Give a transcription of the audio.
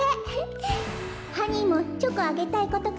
ハニーもチョコあげたいことかいる？